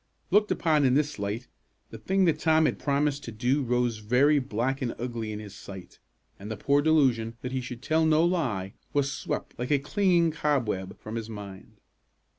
Looked upon in this light, the thing that Tom had promised to do rose very black and ugly in his sight; and the poor delusion that he should tell no lie was swept, like a clinging cobweb, from his mind.